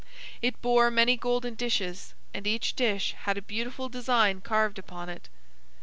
It bore many golden dishes, and each dish had a beautiful design carved upon it.